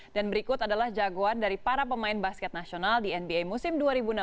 dan berikut adalah jagoan dari para pemain basket nasional di nba musim dua ribu enam belas dua ribu tujuh belas